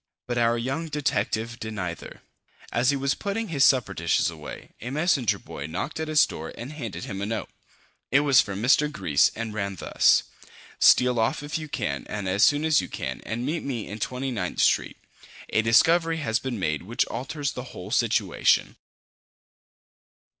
But our young detective did neither. As he was putting his supper dishes away, a messenger boy knocked at his door and handed him a note. It was from Mr. Gryce and ran thus: "Steal off, if you can, and as soon as you can, and meet me in Twenty ninth Street. A discovery has been made which alters the whole situation."